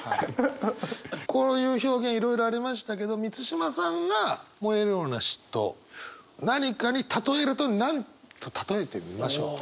こういう表現いろいろありましたけど満島さんが燃えるような嫉妬を何かにたとえると何とたとえてみましょう？